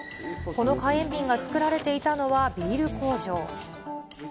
この火炎瓶が作られていたのはビール工場。